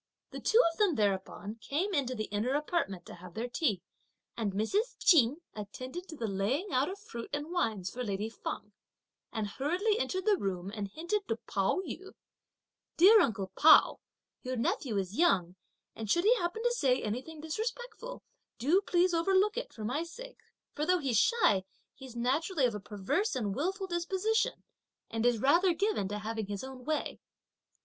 The two of them thereupon came into the inner apartment to have their tea; and Mrs. Ch'in attended to the laying out of fruit and wines for lady Feng, and hurriedly entered the room and hinted to Pao yü: "Dear uncle Pao, your nephew is young, and should he happen to say anything disrespectful, do please overlook it, for my sake, for though shy, he's naturally of a perverse and wilful disposition, and is rather given to having his own way."